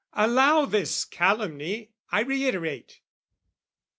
Allow this calumny, I reiterate!